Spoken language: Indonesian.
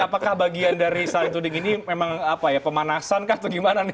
apakah bagian dari saling tuning ini memang pemanasan atau gimana nih